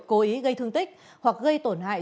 cố ý gây thương tích hoặc gây tổn hại